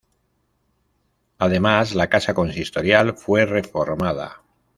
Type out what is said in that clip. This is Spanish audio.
Además, la casa consistorial fue reformada.